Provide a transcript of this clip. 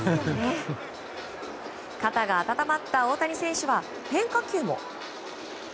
肩が温まった大谷選手は変化球も。